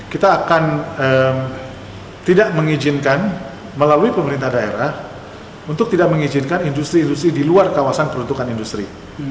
kita akan tidak mengizinkan melalui pemerintah daerah untuk tidak mengizinkan industri industri di luar kawasan peruntukan industri